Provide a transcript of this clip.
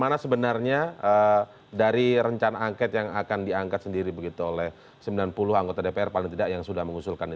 karena sebenarnya dari rencana angket yang akan diangkat sendiri begitu oleh sembilan puluh anggota dpr paling tidak yang sudah mengusulkan ini